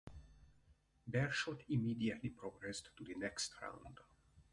Beerschot immediately progressed to the next round.